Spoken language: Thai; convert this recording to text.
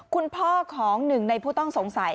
คุณพ่อของหนึ่งในผู้ต้องสงสัย